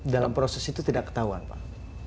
dalam proses itu tidak ketahuan pak